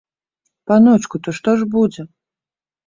Паночку, то што ж будзе?